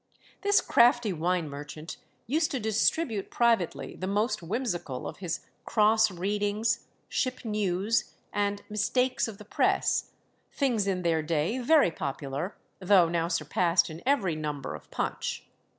This crafty wine merchant used to distribute privately the most whimsical of his Cross Readings, Ship News, and Mistakes of the Press things in their day very popular, though now surpassed in every number of Punch.